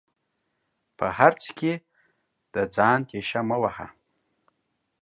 په هر څه کې د ځان تيشه مه وهه